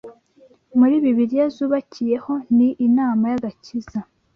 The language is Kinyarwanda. muri Bibiliya zubakiyeho ni “inama y’agakiza